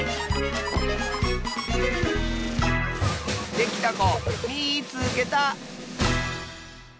できたこみいつけた！